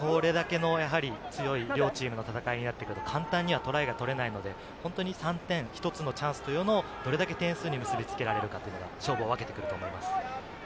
これだけの強い、両チームの戦いになってくると簡単にはトライが取れないので、本当に３点、１つのチャンスというのをどれだけ点数に結びつけられるか。